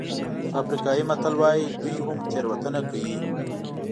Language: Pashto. افریقایي متل وایي لوی هم تېروتنه کوي.